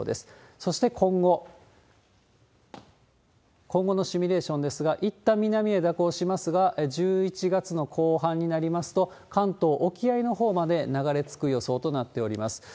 そして今後のシミュレーションですが、いったん南へ蛇行しますが、１１月の後半になりますと、関東沖合のほうまで流れ着く予想となっております。